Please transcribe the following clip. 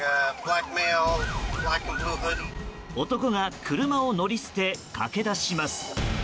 男が車を乗り捨て駆け出します。